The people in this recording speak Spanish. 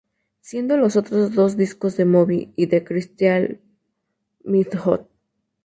Siendo los otros dos discos de Moby y The Crystal Method.